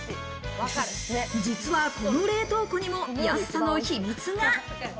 実はこの冷凍庫にも安さの秘密が。